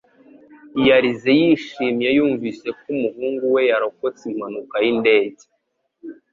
Yarize yishimye yumvise ko umuhungu we yarokotse impanuka y'indege